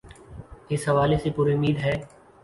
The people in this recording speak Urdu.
اس حوالے سے پرا مید ہے۔